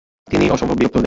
তিনি অসম্ভব বিরক্ত হলেন।